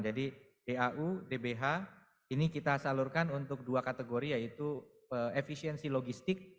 jadi dau dbh ini kita salurkan untuk dua kategori yaitu efisiensi logistik